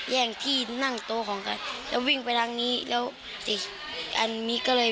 แย่งที่นั่งโต๊ะของกันแล้ววิ่งไปทางนี้แล้วสิอันนี้ก็เลย